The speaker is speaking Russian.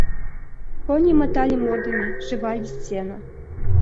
Кони мотали мордами, жевали сено.